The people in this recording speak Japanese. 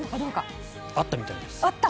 あったみたいです。